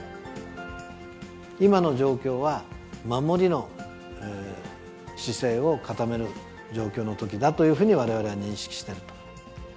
今の状況は、守りの姿勢を固める状況のときだというふうに、われわれは認識している。